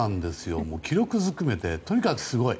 記録ずくめでとにかくすごい！